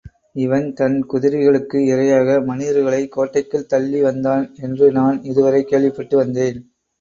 இவன் தன் குதிரைகளுக்கு இரையாக மனிதர்களைக் கோட்டைக்குள் தள்ளி வந்தான் என்று நான் இதுவரை கேள்விப்பட்டு வந்தேன்.